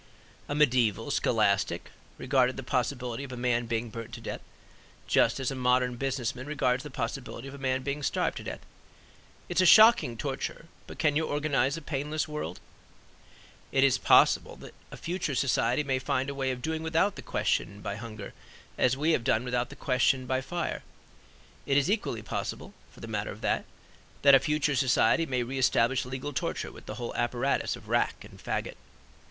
A mediaeval scholastic regarded the possibility of a man being burned to death just as a modern business man regards the possibility of a man being starved to death: "It is a shocking torture; but can you organize a painless world?" It is possible that a future society may find a way of doing without the question by hunger as we have done without the question by fire. It is equally possible, for the matter of that, that a future society may reestablish legal torture with the whole apparatus of rack and fagot.